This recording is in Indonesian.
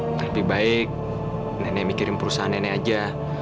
tapi baik nenek mikirin perusahaan nenek aja